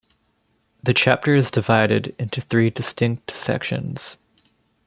The chapter is divided into three distinct sections.